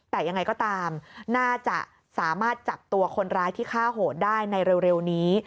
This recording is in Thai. แต่ยังไงก็ตามน่าจะสามารถจับตัวคนร้ายที่ฆ่าโหดได้ในเร็วนี้